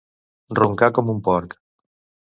Roncar com un porc.